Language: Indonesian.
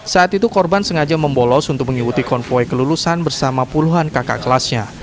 saat itu korban sengaja membolos untuk mengikuti konvoy kelulusan bersama puluhan kakak kelasnya